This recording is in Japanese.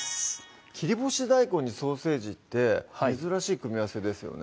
切り干し大根にソーセージって珍しい組み合わせですよね